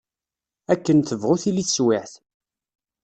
Akken tebɣu tili teswiɛt.